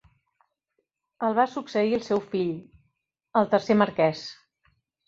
El va succeir el seu fill, el tercer marquès.